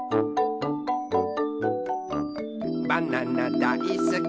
「バナナだいすき